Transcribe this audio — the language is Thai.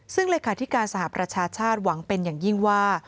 ซึ่งเลขาธิการสหประชาชาติหวังเป็นอย่างยิ่งว่า